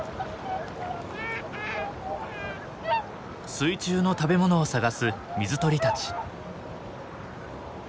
水中の食べ物を探す水鳥たち。